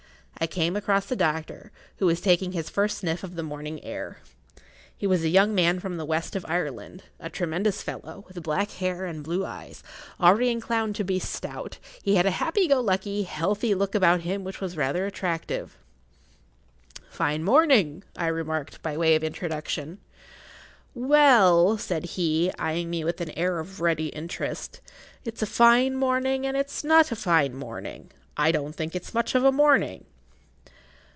I came across the doctor, who was taking his first sniff of the morning air. He was a young man from the West of Ireland—a tremendous fellow, with black hair and blue eyes, already inclined to be stout; he had a happy go lucky, healthy look[Pg 24] about him which was rather attractive. "Fine morning," I remarked, by way of introduction. "Well," said he, eying me with an air of ready interest, "it's a fine morning and it's not a fine morning. I don't think it's much of a morning."